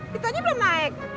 pintonya belum naik